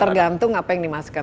tergantung apa yang dimasukkan